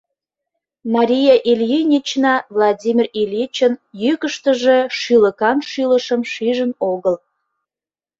Мария Ильинична Владимир Ильичын йӱкыштыжӧ шӱлыкан шӱлышым шижын огыл.